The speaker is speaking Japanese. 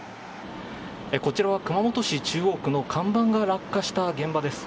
こちらは熊本市中央区の看板が落下した現場です。